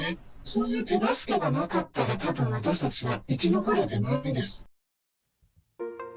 そういう手助けがなかったら、たぶん私たちは生き残れてないです。